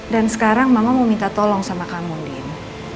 dan sekarang mama mau minta tolong sama kamu din